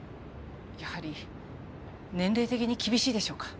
やはり年齢的に厳しいでしょうか？